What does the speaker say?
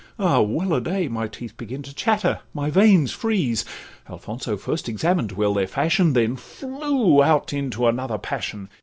—Ah! well a day! My teeth begin to chatter, my veins freeze— Alfonso first examined well their fashion, And then flew out into another passion.